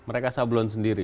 mereka sablon sendiri